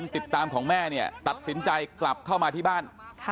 ติดตามของแม่เนี่ยตัดสินใจกลับเข้ามาที่บ้าน